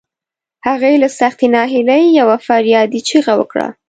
هغې له سختې ناهيلۍ يوه فریادي چیغه وکړه.